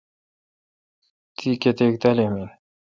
تی کتیک تعلیم این؟